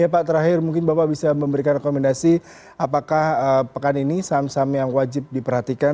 ya pak terakhir mungkin bapak bisa memberikan rekomendasi apakah pekan ini saham saham yang wajib diperhatikan